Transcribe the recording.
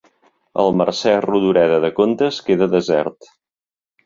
El Mercè Rodoreda de contes queda desert